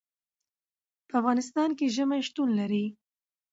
په افغانستان کې ژمی شتون لري.